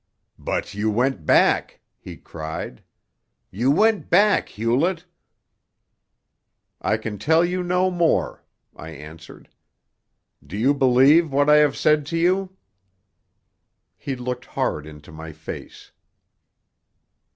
"But you went back!" he cried. "You went back, Hewlett!" "I can tell you no more," I answered. "Do you believe what I have said to you?" He looked hard into my face.